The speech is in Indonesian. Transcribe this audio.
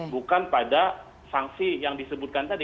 bukan pada sanksi yang disebutkan tadi